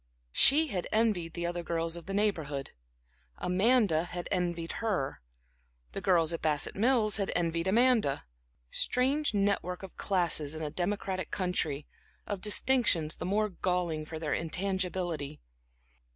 She had envied the other girls of the Neighborhood, Amanda had envied her, the girls at Bassett Mills had envied Amanda. Strange net work of classes in a democratic country, of distinctions the more galling for their intangibility.